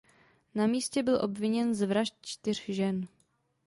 Na místě byl obviněn z vražd čtyř žen.